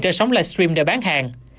trên sóng live stream để bán hàng